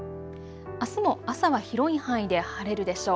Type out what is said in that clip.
あすも朝は広い範囲で晴れるでしょう。